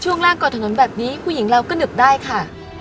ร่างก่อถนนแบบนี้ผู้หญิงเราก็นึกได้ค่ะ